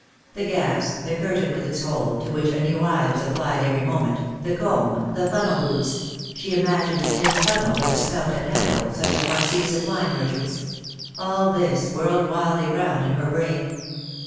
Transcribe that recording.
The gas, the curtain with its hole, to which a new eye was applied every moment, the comb, the funnel boots — she imagined a tin funnel, with a spout and handle, such as one sees at wine merchants' — all this whirled wildly round in her brain.